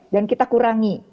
dan kita kurangi